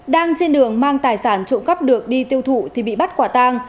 đang trên đường mang tài sản trộm cắp được đi tiêu thụ thì bị bắt quả tang